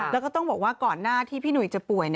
แล้วก็ต้องบอกว่าก่อนหน้าที่พี่หนุ่ยจะป่วย